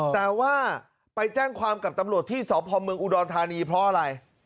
แต่ว่าไปแจ้งความกับตำรวจที่สพเมืองอุดรธานีเพราะอะไร